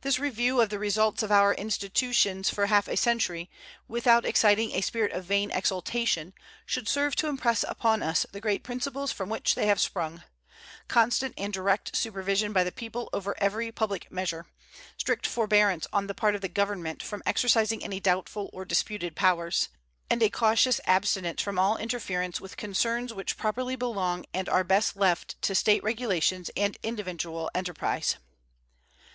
This review of the results of our institutions for half a century, without exciting a spirit of vain exultation, should serve to impress upon us the great principles from which they have sprung constant and direct supervision by the people over every public measure, strict forbearance on the part of the Government from exercising any doubtful or disputed powers, and a cautious abstinence from all interference with concerns which properly belong and are best left to State regulations and individual enterprise.